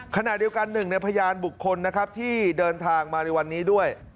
ขณะเดียวกันหนึ่งในพยานบุคคลนะครับที่เดินทางมาในวันนี้ด้วย